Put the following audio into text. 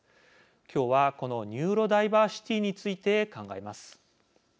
今日は、このニューロダイバーシティについて考えます。